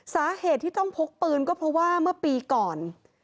สาเหตุที่ต้องพกปืนก็เพราะว่าเมื่อปีก่อน